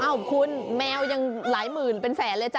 คุณแมวยังหลายหมื่นเป็นแสนเลยจ้